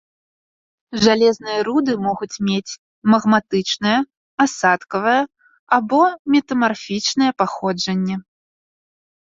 Жалезныя руды могуць мець магматычнае, асадкавае або метамарфічнае паходжанне.